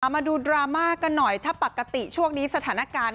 มาดูดราม่ากันหน่อยถ้าปกติช่วงนี้สถานการณ์